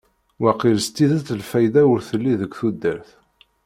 Waqil s tidet lfayda ur telli deg tudert.